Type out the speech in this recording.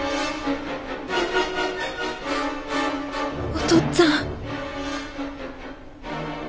お父っつぁん。